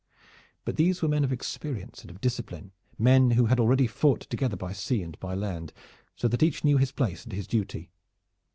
But these were men of experience and of discipline, men who had already fought together by sea and by land, so that each knew his place and his duty.